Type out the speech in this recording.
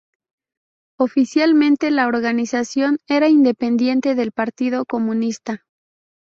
Oficialmente, la organización era independiente del partido comunista.